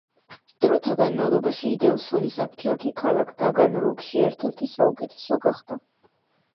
დროთა განმავლობაში იდელსონის აფთიაქი ქალაქ ტაგანროგში ერთ-ერთი საუკეთესო გახდა.